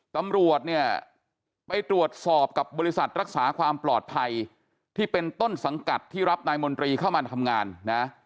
ตำรวจเนี่ยไปตรวจสอบกับบริษัทรักษาความปลอดภัยที่เป็นต้นสังกัดที่รับนายมนตรีเข้ามาทำงานนะ